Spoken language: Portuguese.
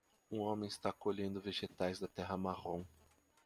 Um homem está colhendo vegetais da terra marrom.